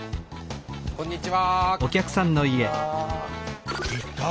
こんにちは。